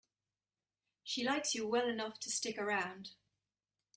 She likes you well enough to stick around.